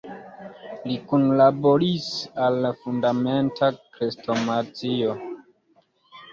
Li kunlaboris al la "Fundamenta Krestomatio.